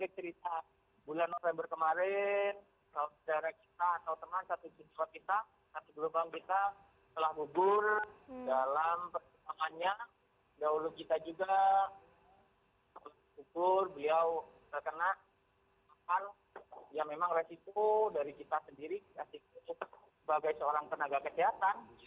jadi cerita bulan november kemarin saudara kita atau teman satu tim kita satu gelombang kita telah bubur dalam persamaan yang dahulu kita juga bubur beliau terkena ya memang resiko dari kita sendiri sebagai seorang tenaga kesehatan